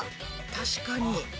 確かに。